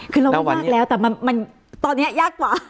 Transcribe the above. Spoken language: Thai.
คือเราก็ยากแล้วแต่มันตอนนี้ยากกว่า